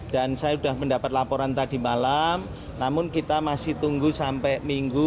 dan saya sudah mendapat laporan tadi malam namun kita masih tunggu sampai minggu